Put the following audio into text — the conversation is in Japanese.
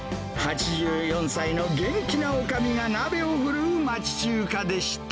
８４歳の元気なおかみが鍋を振るう町中華でした。